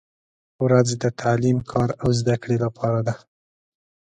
• ورځ د تعلیم، کار او زدهکړې لپاره ده.